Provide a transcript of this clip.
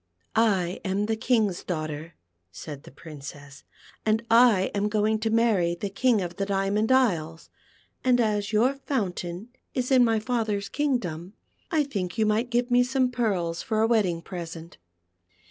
" I am the King's daughter," said the Princess, " and I am going to marry the King of the Diamond Isles, and as }'our fountain is in my father's kingdom, I think you might give me some pearls for a wedding present."